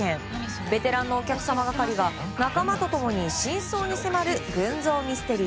ベテランのお客様係が仲間と共に真相に迫る群像ミステリー